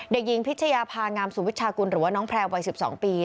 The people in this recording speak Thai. เด็กหญิงพิชยาภางามสุวิชากุลหรือว่าน้องแพรววัย๑๒ปี